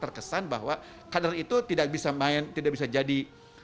terkesan bahwa kader itu tidak bisa main tidak bisa jadi